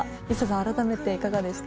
改めていかがでした？